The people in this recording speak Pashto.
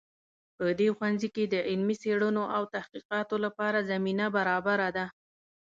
په دې ښوونځي کې د علمي څیړنو او تحقیقاتو لپاره زمینه برابره ده